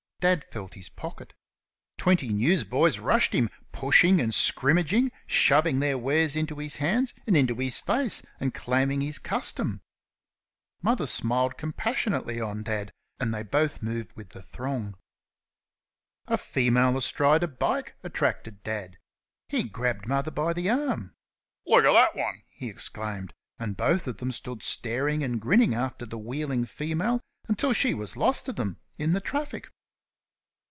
Dad felt his pocket. Twenty newsboys rushed him, pushing and scrimmaging, shoving their wares into his hands and into his face, and claiming his custom. Mother smiled compassionately on Dad, and they both moved with the throng. A female astride a bike attracted Dad; he grabbed Mother by the arm. "Look at thet 'un!" he exclaimed; and both of them stood staring and grinning after the wheeling female until she was lost to them in the traffic.